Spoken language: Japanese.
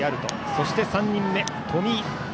そして３人目、冨井。